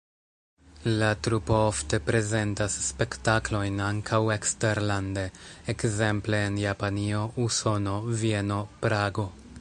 La trupo ofte prezentas spektaklojn ankaŭ eksterlande, ekzemple en Japanio, Usono, Vieno, Prago.